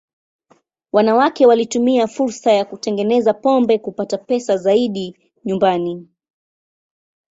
Wanawake walitumia fursa ya kutengeneza pombe kupata pesa zaidi nyumbani.